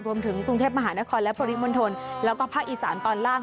รวมถึงกรุงเทพมหานครและปริมณฑลแล้วก็ภาคอีสานตอนล่าง